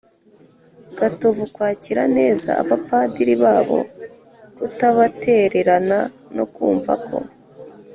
gatovu kwakira neza abapadiri babo, kutabatererana no kumva ko